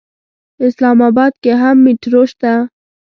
اسلام اباد کې هم مېټرو شته.